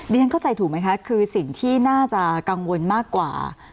ฉันเข้าใจถูกไหมคะคือสิ่งที่น่าจะกังวลมากกว่า